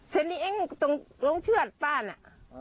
เสร็จนี่เองตรงลงเชื่อดป้าน่ะ